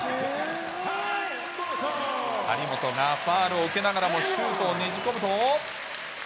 張本がファウルを受けながらもシュートをねじ込むと。